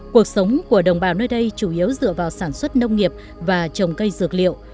cuộc sống của đồng bào nơi đây chủ yếu dựa vào sản xuất nông nghiệp và trồng cây dược liệu